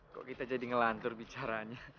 kok kita jadi ngelantur bicaranya